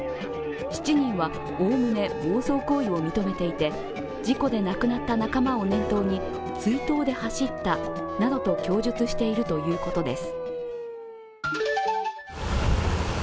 ７人はおおむね暴走行為を認めていて事故で亡くなった仲間を念頭に追悼で走ったなどと供述しているということです。